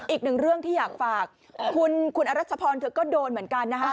อีกหนึ่งเรื่องที่อยากฝากคุณอรัชพรเธอก็โดนเหมือนกันนะฮะ